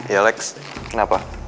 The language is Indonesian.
ya alex kenapa